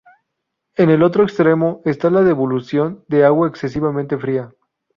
En el otro extremo está la devolución de agua excesivamente fría.